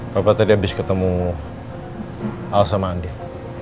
papa tadi habis ketemu al sama andin